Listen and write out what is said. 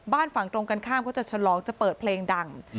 ฝั่งตรงกันข้ามก็จะฉลองจะเปิดเพลงดัง